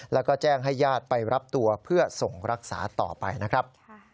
แล้วก็แจ้งให้ญาติไปรับตัวเพื่อส่งรักษาต่อไปนะครับ